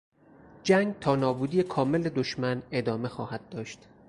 جنگ تا نابودی کامل دشمن ادامه خواهد داشت.